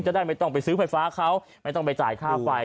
จะได้ไม่ต้องไปซื้อไฟฟ้าเขาไม่ต้องไปจ่ายค่าไฟ